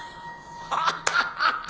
ハハハハ！